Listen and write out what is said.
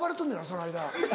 その間。